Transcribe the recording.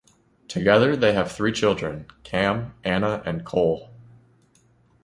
Together they have three children: Cam, Anna, and Cole.